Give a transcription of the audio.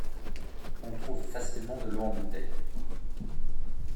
On trouve facilement de l'eau en bouteille.